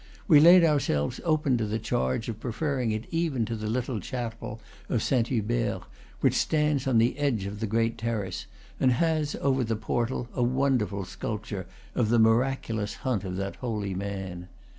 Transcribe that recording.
We laid ourselves open to the charge of pre ferring it even to the little chapel of Saint Hubert, which stands on the edge of the great terrace, and has, over the portal, a wonderful sculpture of the mi raculous hunt of that holy man.